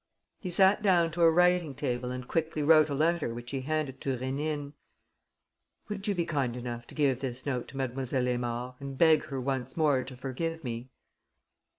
He sat down to a writing table and quickly wrote a letter which he handed to Rénine: "Would you be kind enough to give this note to Mlle. Aymard and beg her once more to forgive me?"